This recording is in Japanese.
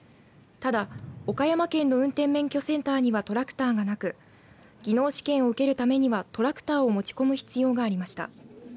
ただ、岡山県の運転免許センターにはトラクターがなく技能試験を受けるためにはトラクターを持ち込む必要がありました。